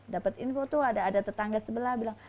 dapat info tuh ada tetangga sebelah bilang